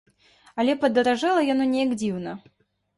Але падаражэла яно неяк дзіўна.